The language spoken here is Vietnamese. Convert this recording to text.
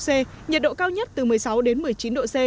nhiệt độ cao nhất từ một mươi sáu đến một mươi chín độ c